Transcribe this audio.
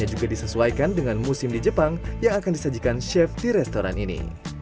dan juga disesuaikan dengan musim di jepang yang akan disajikan chef di restoran ini